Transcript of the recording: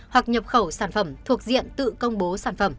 hoặc nhập khẩu sản phẩm thuộc diện tự công bố sản phẩm